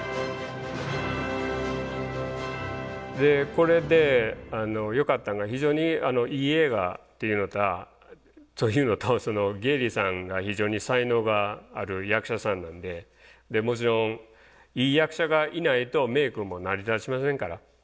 これでよかったんが非常にいい映画っていうのとそういうのとゲイリーさんが非常に才能がある役者さんなんでもちろんいい役者がいないとメイクも成り立ちませんから。